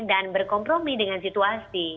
dan berkompromi dengan situasi